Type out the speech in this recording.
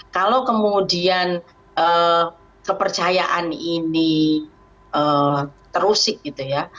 kalau kemudian kepercayaan ini terusik gitu ya